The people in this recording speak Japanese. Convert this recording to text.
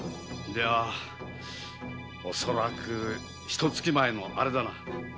では恐らくひと月前の「アレ」だな。